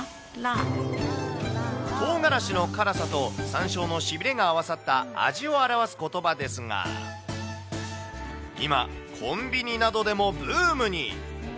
とうがらしの辛さとさんしょうのしびれが合わさった味を表すことばですが、今、コンビニなどでもブームに。